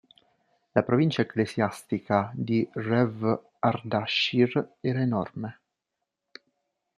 La provincia ecclesiastica di Rew-Ardashir era enorme.